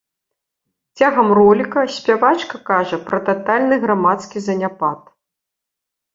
Цягам роліка спявачка кажа пра татальны грамадскі заняпад.